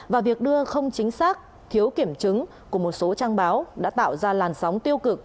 và việc đưa không chính xác thiếu kiểm chứng của một số trang báo đã tạo ra làn sóng tiêu cực